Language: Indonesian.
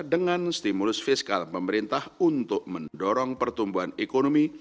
dengan stimulus fiskal pemerintah untuk mendorong pertumbuhan ekonomi